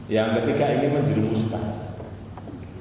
yang ketiga ingin menjadi ustaz